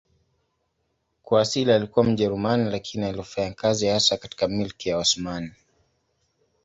Kwa asili alikuwa Mjerumani lakini alifanya kazi hasa katika Milki ya Osmani.